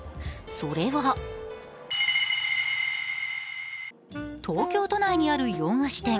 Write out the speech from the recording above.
それは東京都内にある洋菓子店。